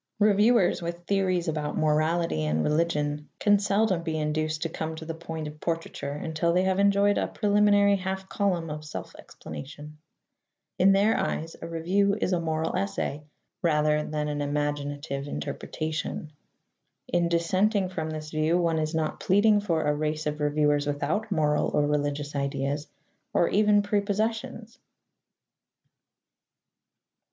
Reviewers with theories about morality and religion can seldom be induced to come to the point of portraiture until they have enjoyed a preliminary half column of self explanation. In their eyes a review is a moral essay rather than an imaginative interpretation. In dissenting from this view, one is not pleading for a race of reviewers without moral or religious ideas, or even prepossessions.